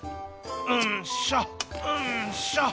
うんしょうんしょ！